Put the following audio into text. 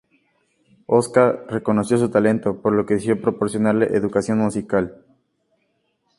Oskar reconoció su talento, por lo que decidió proporcionarle educación musical.